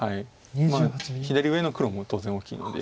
まあ左上の黒も当然大きいので。